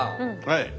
はい。